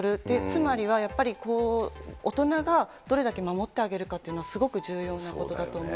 つまりはやっぱりこう、大人がどれだけ守ってあげるかというのはすごく重要なことだと思